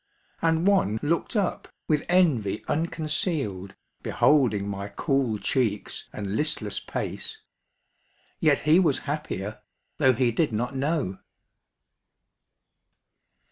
And one looked up, with envy unconcealed, Beholding my cool cheeks and listless pace, Yet he was happier, though he did not know.